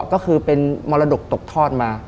ก็คือเป็นมรดกตกทอดมา